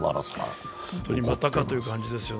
本当にまたかという感じですよ。